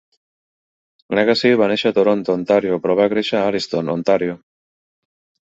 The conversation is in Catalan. Legace va néixer a Toronto, Ontario, però va créixer a Alliston, Ontario.